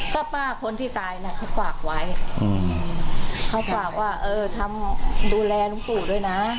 ก็ป้าคนที่ตายเนี่ยเขาฝากไว้เขาฝากว่าเออทำดูแลลุงตู่ด้วยนะ